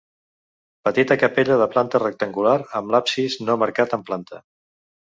Petita capella de planta rectangular amb l'absis no marcat en planta.